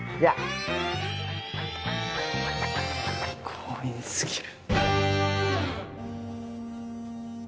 強引すぎる。